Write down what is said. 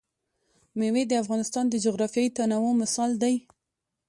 مېوې د افغانستان د جغرافیوي تنوع مثال دی.